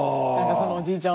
そのおじいちゃん